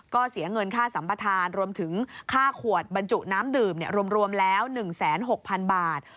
ก็เสียเงินค่าสัมปทานรวมถึงค่าขวดบรรจุน้ำดื่มรวมแล้ว๑๖๐๐๐บาท